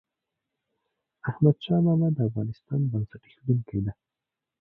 احمد شاه بابا د افغانستان بنسټ ایښودونکی ده.